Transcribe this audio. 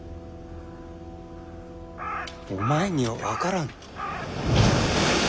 お前には分からぬ。